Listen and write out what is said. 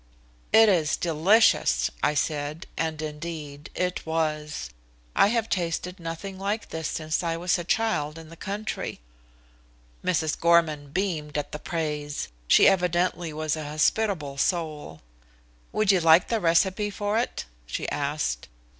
"It is delicious," I said, and, indeed, it was. "I have tasted nothing like this since I was a child in the country." Mrs. Gorman beamed at the praise. She evidently was a hospitable soul. "Would you like the recipe for it?" she asked.